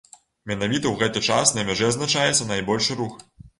Менавіта ў гэты час на мяжы адзначаецца найбольшы рух.